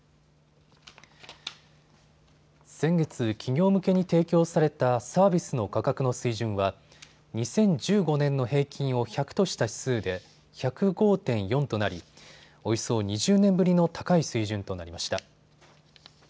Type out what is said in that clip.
先月、企業向けに提供されたサービスの価格の水準は２０１５年の平均を１００とした指数で１０５．４となりおよそ２０年ぶりの高い水準となりました。